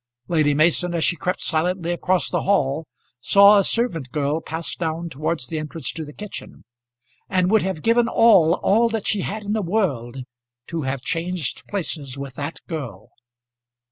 Lady Mason, as she crept silently across the hall, saw a servant girl pass down towards the entrance to the kitchen, and would have given all, all that she had in the world, to have changed places with that girl.